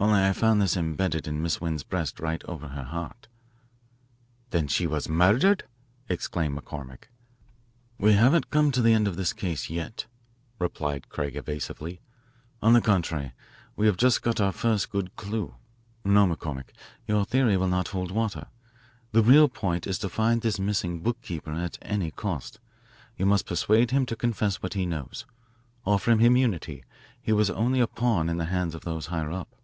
Only I found this embedded in Miss Wend's breast right over her heart." "Then she was murdered?" exclaimed McCormick. "We haven't come to the end of this case yet," replied Craig evasively. "On the contrary, we have just got our first good clue. No, McCormick, your theory will not hold water. The real point is to find this missing bookkeeper at any cost. You must persuade him to confess what he knows. Offer him immunity he was only a pawn in the hands of those higher up."